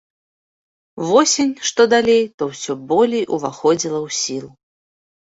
Восень, што далей, то ўсё болей уваходзіла ў сілу.